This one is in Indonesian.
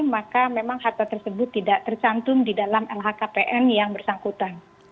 maka memang harta tersebut tidak tercantum di dalam lhkpn yang bersangkutan